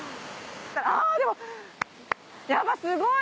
あでもやっぱすごい！